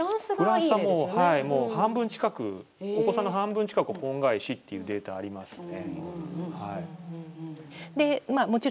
フランスは、もう半分近くお子さんの半分近くは婚外子っていうデータがありますね。